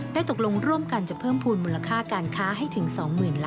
ได้ตกลงร่วมกันจะเพิ่มพูลมูลค่าการค้าให้ถึง๒๐๐๐๐ล้านดอลลาร์สหรัฐ